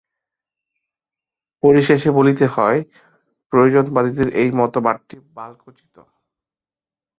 পরিশেষে বলিতে হয়, প্রয়োজনবাদীদের এই মতবাদটি বালকোচিত।